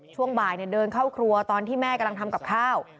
ช่วงบ่ายเดินเข้าครัวตอนที่แม่กำลังทำกับข้าว